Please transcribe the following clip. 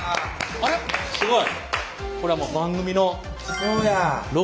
あすごい！